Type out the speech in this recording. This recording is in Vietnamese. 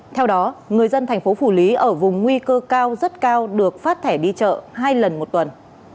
theo đó người dân thành phố phủ lý ở vùng nguy cơ cao rất cao được phát thẻ đi chợ hai lần một tuần